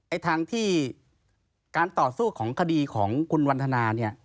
ทางที่การต่อสู้ของคดีของคุณวันทนาเนี่ย